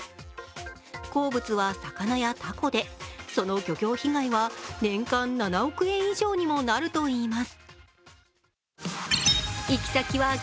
好物は魚やたこで、その漁業被害は年間７億円以上にもなるといいます